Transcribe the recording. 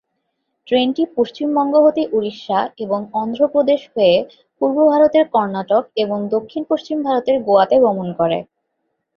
ট্রেনটি পশ্চিম বঙ্গ হতে উড়িষ্যা এবং অন্ধ্র প্রদেশ হয়ে পূর্ব ভারতের কর্ণাটক এবং দক্ষিণ-পশ্চিম ভারতের গোয়াতে গমন করে।